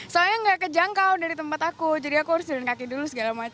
soalnya nggak kejangkau dari tempat aku jadi aku harus diri dan kaki dulu segala macem lah repot